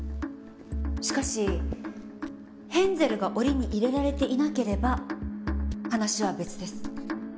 しかしヘンゼルが檻に入れられていなければ話は別です。